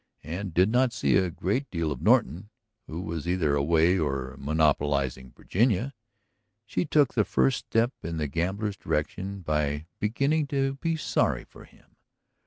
. and did not see a great deal of Norton, who was either away or monopolizing Virginia, ... she took the first step in the gambler's direction by beginning to be sorry for him.